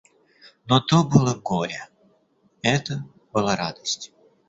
Но то было горе, — это была радость.